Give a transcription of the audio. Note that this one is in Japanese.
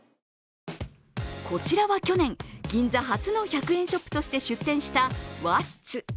こちらは去年、銀座初の１００円ショップとして出店したＷａｔｔｓ。